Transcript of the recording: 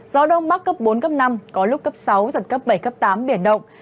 gió đông bắc cấp bốn cấp năm có lúc cấp sáu giật cấp bảy cấp tám biển động